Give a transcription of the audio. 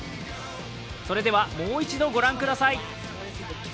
それではもう一度御覧ください。